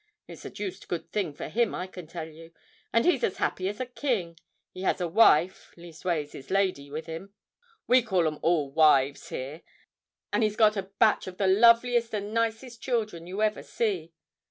It's a deuced good thing for him, I can tell you; and he's as happy as a King. He has his wife—leastways, his lady with him,—we call 'em all wives here;—and he's got a batch of the loveliest and nicest children you ever see.